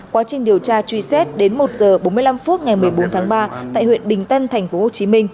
quá trình điều tra truy xét đến một h bốn mươi năm phút ngày một mươi bốn tháng ba tại huyện bình tân tp hcm